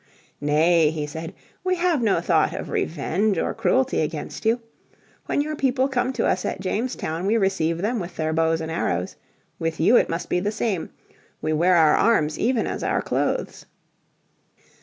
"Nay," he said, "we have no thought of revenge or cruelty against you. When your people come to us at Jamestown we receive them with their bows and arrows. With you it must be the same. We wear our arms even as our clothes."